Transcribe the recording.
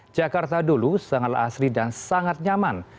jakarta dulu sangat asri dan sangat nyaman